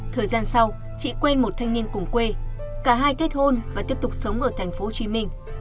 thời gian sau chị quen một thanh niên cùng quê cả hai kết hôn và tiếp tục sống ở tp hcm